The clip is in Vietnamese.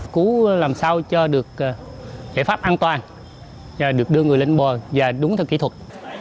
cứu làm sao cho được giải pháp an toàn được đưa người lên bờ và đúng theo kỹ thuật